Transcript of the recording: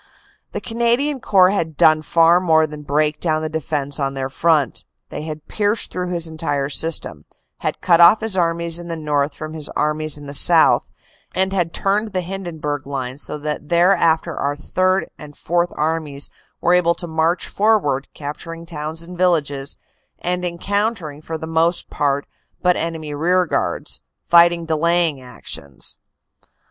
The Canadian Corps had done far more than break down the defense on their front; they had pierced through his entire system, had cut off his armies in the north from his armies in the south, and had turned the Hindenburg Line so that there after our Third and Fourth Armies were able to march for ward, capturing towns and villages, and encountering for the AFTER THE BATTLE 285 most part but enemy rearguards, fighting delaying actions.